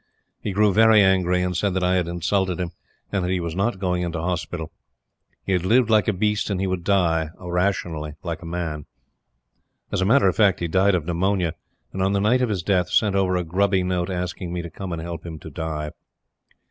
He grew very angry, and said that I had insulted him, and that he was not going into hospital. He had lived like a beast and he would die rationally, like a man. As a matter of fact, he died of pneumonia; and on the night of his death sent over a grubby note asking me to come and help him to die.